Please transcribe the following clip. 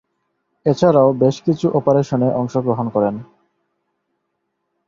এছাড়াও বেশ কিছু অপারেশনে অংশগ্রহণ করেন।